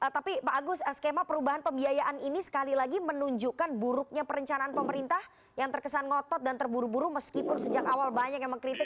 tapi pak agus skema perubahan pembiayaan ini sekali lagi menunjukkan buruknya perencanaan pemerintah yang terkesan ngotot dan terburu buru meskipun sejak awal banyak yang mengkritik